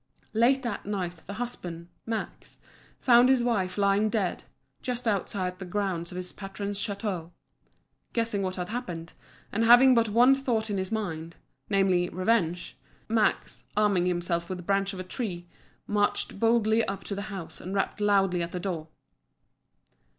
Late that night the husband, Max, found his wife lying dead, just outside the grounds of his patron's château. Guessing what had happened, and having but one thought in his mind namely, revenge Max, arming himself with the branch of a tree, marched boldly up to the house, and rapped loudly at the door.